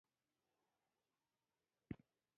پلار د کور د خوښۍ سبب دی.